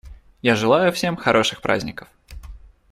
Я желаю всем хороших праздников.